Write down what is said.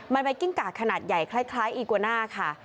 มันเป็นกิ้งกากขนาดใหญ่คล้ายอีกวาน่าค่ะ